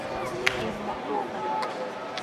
Himo hyoocatx.